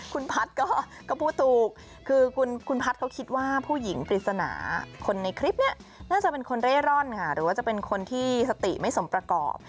คุณพัฒน์ก็พูดถูกคือคุณพัฒน์เขาคิดว่าผู้หญิงปริศนาคนในคลิปนี้น่าจะเป็นคนเร่ร่อนค่ะหรือว่าจะเป็นคนที่สติไม่สมประกอบ